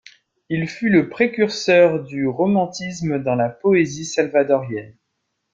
Il fut le précurseur du romantisme dans la poésie salvadorienne.